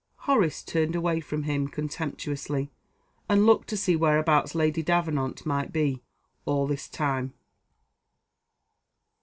Horace turned away from him contemptuously, and looked to see whereabouts Lady Davenant might be all this time.